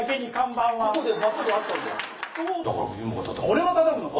俺がたたくのか？